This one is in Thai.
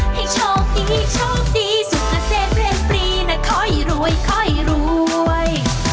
ให้โชคดีโชคดีสุงอาเศษเวลปลีนะข้อยรวยรวย